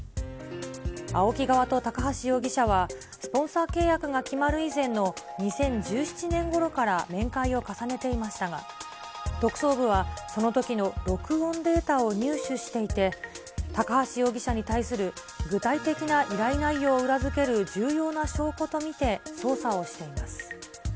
ＡＯＫＩ側と高橋容疑者はスポンサー契約が決まる以前の２０１７年ごろから面会を重ねていましたが、特捜部はそのときの録音データを入手していて、高橋容疑者に対する具体的な依頼内容を裏付ける重要な証拠と見て捜査をしています。